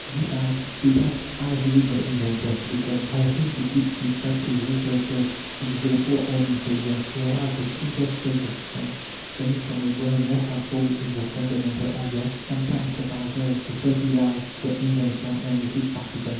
Besides, patents isolate the inventor. They compel him to keep secret his researches which therefore end in failure; whereas the simplest suggestion, coming from a brain less absorbed in the fundamental idea, sometimes suffices to fertilize the invention and make it practical.